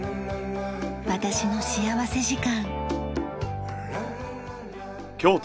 『私の幸福時間』。